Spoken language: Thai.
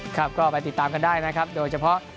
ครับก็ไปติดตามกันได้นะครับโดยเฉพาะ